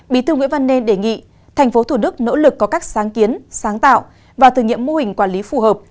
bí thư nguyễn văn nên đề nghị tp thủ đức nỗ lực có các sáng kiến sáng tạo và thử nghiệm mô hình quản lý phù hợp